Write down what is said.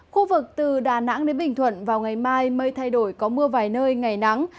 khu vực từ đà nẵng đến bình thuận vào ngày mai mây thay đổi có mưa vài nơi ngày nắng